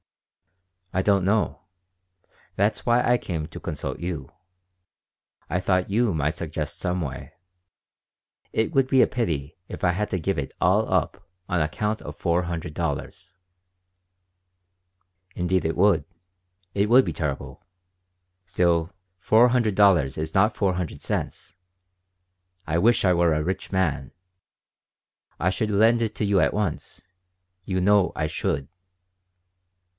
"I don't know. That's why I came to consult you. I thought you might suggest some way. It would be a pity if I had to give it all up on account of four hundred dollars." "Indeed it would. It would be terrible. Still, four hundred dollars is not four hundred cents. I wish I were a rich man. I should lend it to you at once. You know I should."